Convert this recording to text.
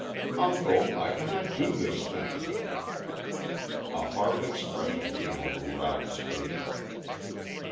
"Uncle, I cannot do this thing." A hard expression came over Ralph's face.